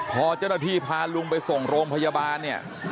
พอเจ้าหน้าที่พาลุงไปส่งโรงพยาบาลเนี่ย